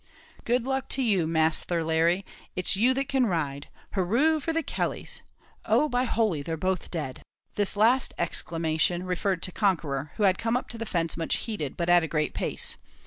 "Good luck to you, masther Larry, it's you that can ride. Hurroo for the Kellys! Oh, by the holy, they're both dead!" This last exclamation referred to Conqueror, who had come up to the fence much heated, but at a great pace.